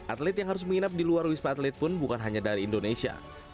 atlet yang harus menginap di luar wisma atlet pun bukan hanya dari indonesia